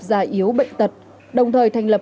giả yếu bệnh tật đồng thời thành lập